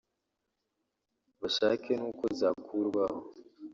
bashake n’uko zakurwaho